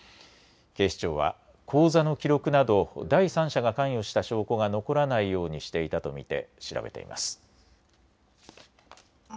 警視庁は口座の記録など第三者が関与した証拠が残らないようにしていたと見て調べています。